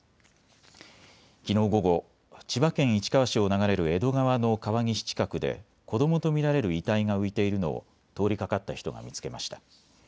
きのう午後、千葉県市川市を流れる江戸川の川岸近くで子どもと見られる遺体が浮いているのを通りかかった人が見つけました。